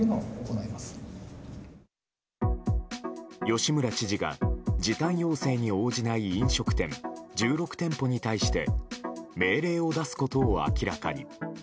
吉村知事が時短要請に応じない飲食店１６店舗に対して命令を出すことを明らかに。